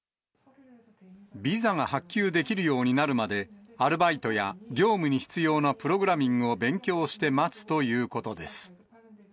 ビザが発給できるようになるまで、アルバイトや業務に必要なプログラミングを勉強して待つということです。